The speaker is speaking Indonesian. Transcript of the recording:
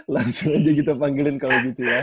langsung aja kita panggilin kalau gitu ya